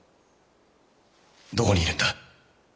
どこにいるんだ？